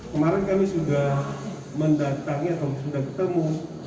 kemarin kami sudah mendatangi atau sudah ketemu